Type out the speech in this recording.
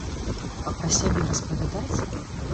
А пра сябе распавядаць?